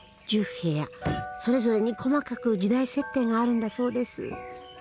それぞれに細かく時代設定があるんだそうです。